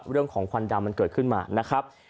เรื่องของควันดำมันเกิดขึ้นมานะครับ